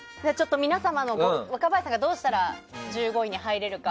皆様、若林さんがどうしたら１５位に入れるか。